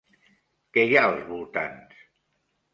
Què hi ha als voltants?